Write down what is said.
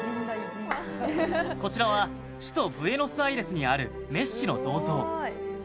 こちらは首都ブエノスアイレスにあるメッシの銅像。